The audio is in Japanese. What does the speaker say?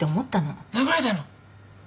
殴られたの？